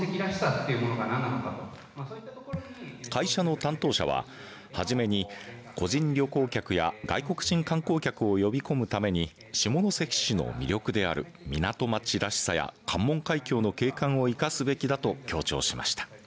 会社の担当者ははじめに個人旅行客や外国人観光客を呼び込むために下関市の魅力である港町らしさや関門海峡の景観を生かすべきだと強調しました。